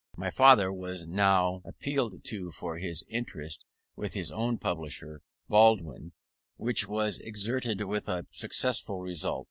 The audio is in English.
My father was now appealed to for his interest with his own publisher, Baldwin, which was exerted with a successful result.